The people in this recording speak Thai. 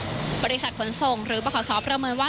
แล้วบริษัทขนส่งหรือประขอสอบเริ่มมือนว่า